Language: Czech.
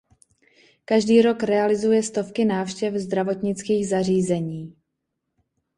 Každý rok realizuje stovky návštěv zdravotnických zařízení.